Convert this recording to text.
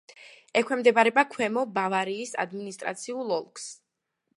ექვემდებარება ქვემო ბავარიის ადმინისტრაციულ ოლქს.